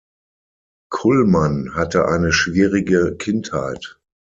Kullmann hatte eine schwierige Kindheit.